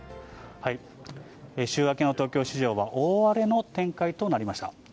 週明けの東京市場は、大荒れの展開となりました。